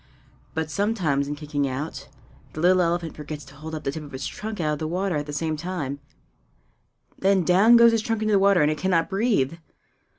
But sometimes, in kicking out, the little elephant forgets to hold up the tip of its trunk out of the water at the same time; then down goes its trunk into the water, and it cannot breathe!